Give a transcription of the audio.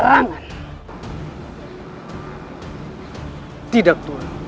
lanjang ra quick